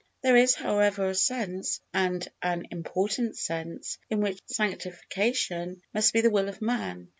There is, however, a sense, and an important sense, in which sanctification must be the will of man.